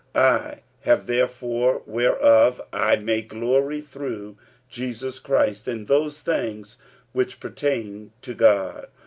45:015:017 I have therefore whereof I may glory through Jesus Christ in those things which pertain to God.